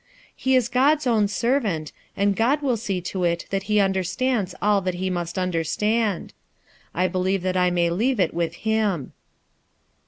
He is God's own servant, and God mil see to it that he understands all that he must understand. I believe that I may leave it with liim."